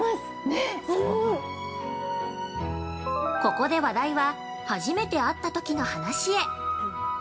◆ここで話題は初めて会ったときの話へ。